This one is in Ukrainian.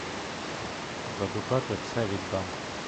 За дукати все віддам!